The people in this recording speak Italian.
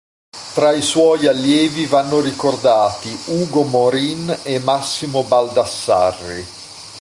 Tra i suoi allievi vanno ricordati Ugo Morin e Mario Baldassarri.